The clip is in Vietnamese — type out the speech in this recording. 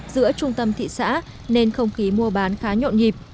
giữa trung tâm thị xã nên không khí mua bán khá nhộn nhịp